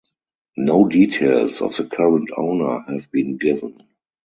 No details of the current owner have been given.